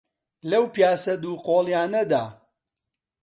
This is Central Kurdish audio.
لەو پیاسە دووقۆڵییانەدا،